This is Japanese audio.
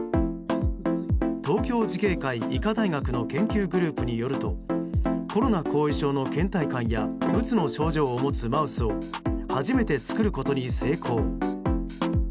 東京慈恵会医科大学の研究グループによるとコロナ後遺症の倦怠感やうつの症状を持つマウスを初めて作ることに成功。